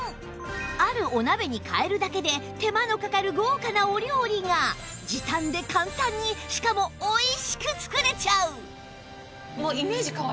あるお鍋に替えるだけで手間のかかる豪華なお料理が時短で簡単にしかもおいしく作れちゃう！